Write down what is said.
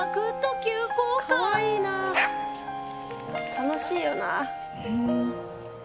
楽しいよなあ。